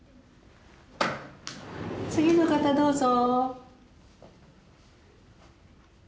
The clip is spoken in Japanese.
次の方どうぞ。